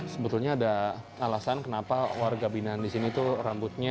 sebetulnya ada alasan kenapa warga binaan di sini tuh rambutnya